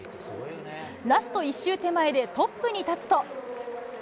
ラスト１周手前でトップに立つと。